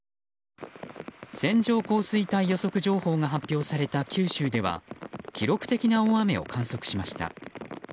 線状降水帯予測情報が発表された九州では記録的な大雨を観測しました。